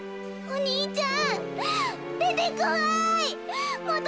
お兄ちゃん。